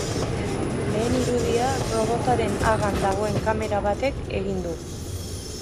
Lehen irudia robotaren hagan dagoen kamera batek egin du.